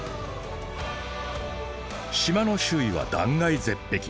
島の周囲は断崖絶壁。